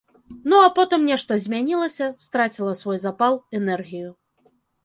Ну, а потым нешта змянілася, страціла свой запал, энергію.